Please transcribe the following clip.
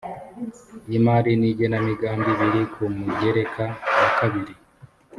y imari n igenamigambi biri ku mugereka wakabiri